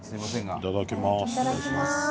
いただきます。